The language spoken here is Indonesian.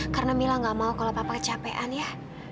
karena mila gak mau kalau papa kecapean ya